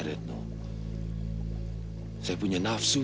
pernah bahwa saya sudahrunia